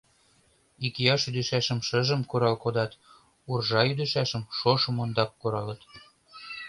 Икияш ӱдышашым шыжым курал кодат, уржа ӱдышашым шошым ондак куралыт.